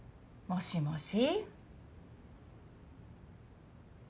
もしもし？